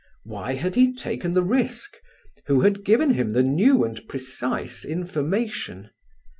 Why had he taken the risk? Who had given him the new and precise information?